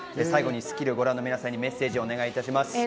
最後に『スッキリ』をご覧の皆さんにメッセージをお願いします。